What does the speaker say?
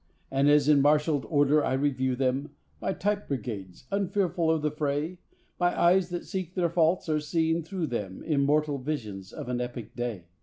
And as in marshalled order I review them, My type brigades, unfearful of the fray, My eyes that seek their faults are seeing through them Immortal visions of an epic day.